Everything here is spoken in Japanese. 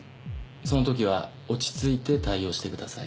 その時は落ち着いて対応してください。